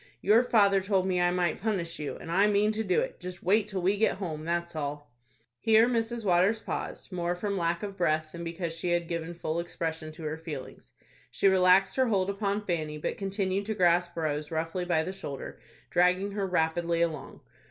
Your father told me I might punish you, and I mean to do it; just wait till we get home, that's all." Here Mrs. Waters paused more from lack of breath, than because she had given full expression to her feelings. She relaxed her hold upon Fanny, but continued to grasp Rose roughly by the shoulder, dragging her rapidly along.